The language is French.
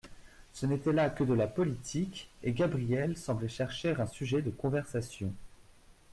Ce n'était là que de la politique, et Gabrielle semblait chercher un sujet de conversation.